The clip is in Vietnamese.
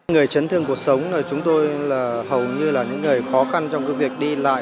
người chấn thương cuộc sống chúng tôi là hầu như là những người khó khăn trong việc đi lại